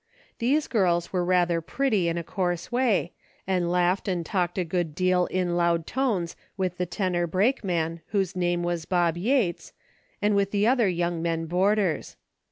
These girls were rather 12 A DAILY DATE. pretty in a coarse way, and laughed and talked a good deal in loud tones with the tenor brakeinan, whose name was Bob Yates, and with the other young men boarders.